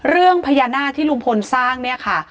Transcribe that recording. เรื่องพญานาคที่ลุงพลสร้างเนี่ยค่ะ